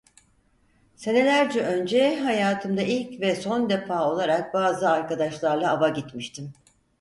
Senelerce önce, hayatımda ilk ve son defa olarak, bazı arkadaşlarla ava gitmiştim.